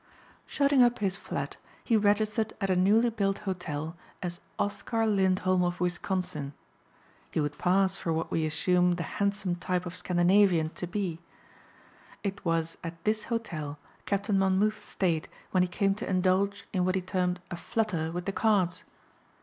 Shutting up his flat he registered at a newly built hotel as Oscar Lindholm of Wisconsin. He would pass for what we assume the handsome type of Scandinavian to be. It was at this hotel Captain Monmouth stayed when he came to indulge in what he termed a "flutter" with the cards.